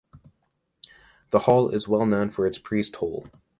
The hall is well known for its priest hole.